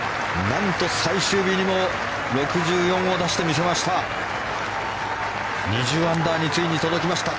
なんと最終日にも６４を出して見せました。